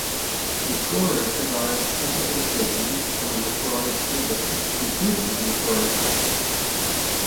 McCrory provides public education from the McCrory School District including the McCrory High School.